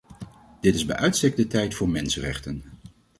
Dit is bij uitstek de tijd voor mensenrechten.